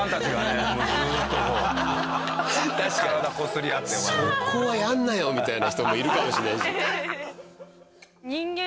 「そこはやるなよ」みたいな人もいるかもしれないし。